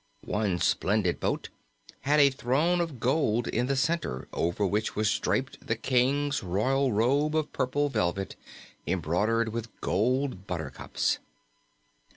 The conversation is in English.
One splendid boat had a throne of gold in the center, over which was draped the King's royal robe of purple velvet, embroidered with gold buttercups.